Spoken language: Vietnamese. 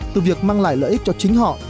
từ việc mang lại lợi ích cho chính họ